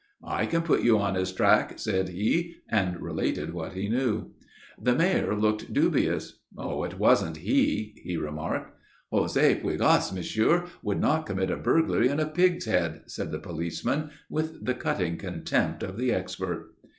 "I can put you on his track," said he, and related what he knew. The Mayor looked dubious. "It wasn't he," he remarked. "José Puégas, Monsieur, would not commit a burglary in a pig's head," said the policeman, with the cutting contempt of the expert.